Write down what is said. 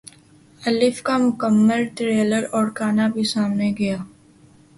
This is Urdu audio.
الف کا مکمل ٹریلر اور گانا بھی سامنے گیا